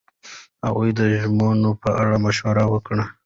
هغه د ژمنو په اړه مشوره ورکړه.